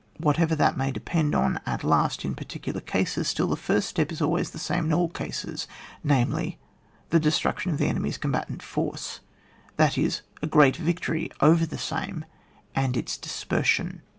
Whatever that may de pend on at last in particular cases^ still the first step is always the same in all cases, namely : The destruction of the ene^ my*B combatant force, that is, a great viC" tory over the same and its dispersion.